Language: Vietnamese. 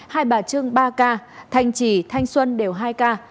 hai bà trưng ba ca thanh trì thanh xuân đều hai ca